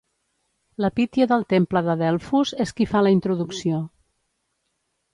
La Pítia del temple de Delfos és qui fa la introducció.